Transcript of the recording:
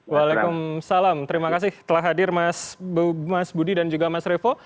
waalaikumsalam terima kasih telah hadir mas budi dan juga mas revo